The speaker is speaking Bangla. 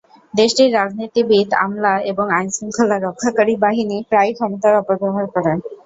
দেশটির রাজনীতিবিদ, আমলা এবং আইনশৃঙ্খলা রক্ষাকারী বাহিনী প্রায়ই ক্ষমতার অপব্যবহার করে।